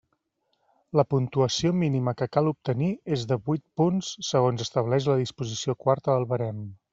La puntuació mínima que cal obtenir és de huit punts, segons estableix la disposició quarta del barem.